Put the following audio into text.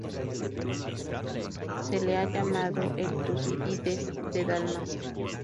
Se le ha llamado el Tucídides de Dalmacia.